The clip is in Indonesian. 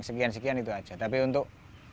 sekian sekian itu aja tapi untuk